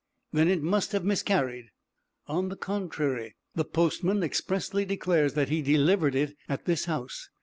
"Then it must have miscarried." "On the contrary, the postman expressly declares that he delivered it at this house.